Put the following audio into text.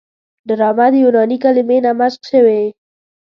ډرامه د یوناني کلمې نه مشتق شوې.